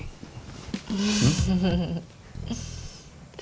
malah kamu ada disini